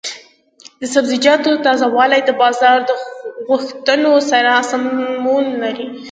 د سبزیجاتو تازه والي د بازار د غوښتنو سره سمون لري.